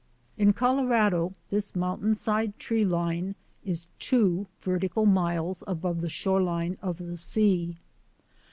In Colorado this mountainside tree line is two vertical miles above the shore line of the sea.